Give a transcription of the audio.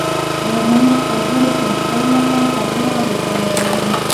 د ارزانه کارګرو چمتو کولو لپاره تګلاره روښانه کوي.